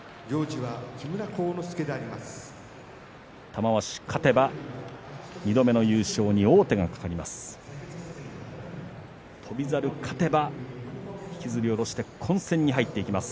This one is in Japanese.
玉鷲、勝てば２度目の優勝に王手がかかります。